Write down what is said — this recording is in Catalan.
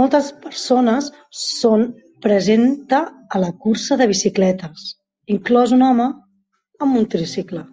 Moltes persones són presenta a la cursa de bicicletes, inclòs un home amb un tricicle.